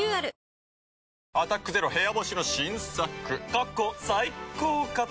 過去最高かと。